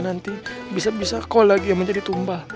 nanti bisa bisa kau lagi yang menjadi tumba